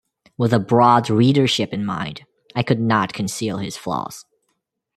With a broad readership in mind, I could not conceal his flaws.